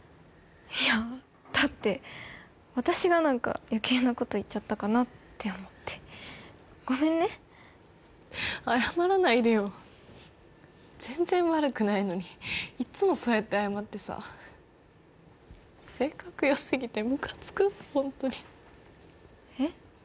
いやだって私が何か余計なこと言っちゃったかなって思ってごめんね謝らないでよ全然悪くないのにいっつもそうやって謝ってさ性格よすぎてムカつくホントにえっ？